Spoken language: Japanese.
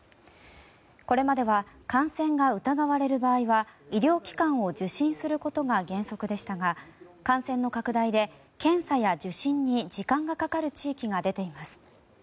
これまでは感染が疑われる場合は医療機関を受診することが原則でしたが感染の拡大で検査や受診に時間がかかる地域が出ています。